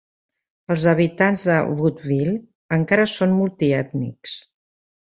Els habitants de Woodville encara són multiètnics.